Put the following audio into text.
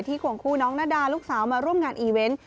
ควงคู่น้องนาดาลูกสาวมาร่วมงานอีเวนต์